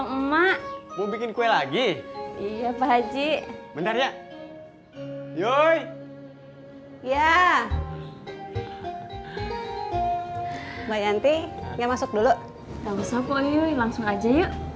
gak usah pak yuy langsung aja yuk